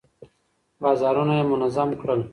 بازارونه يې منظم کړل.